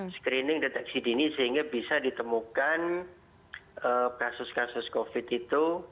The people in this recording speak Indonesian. screening deteksi dini sehingga bisa ditemukan kasus kasus covid itu